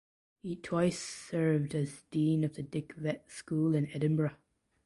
He twice served as Dean of the Dick Vet School in Edinburgh.